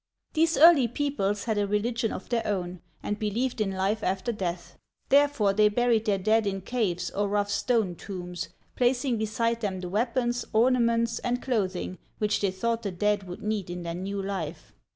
These early peoples had a religion of their own, and believed in life after death. Therefore they buried their dead in caves or rough stone tombs, placing beside them the weapons, ornaments, and clothing which they thought the dead would need in their new life.